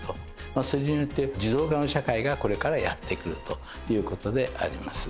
それによって自動化の社会がこれからやって来るという事であります。